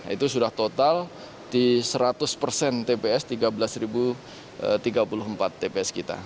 itu sudah total di seratus persen tps tiga belas tiga puluh empat tps kita